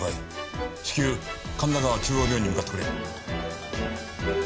至急神田川中央病院に向かってくれ。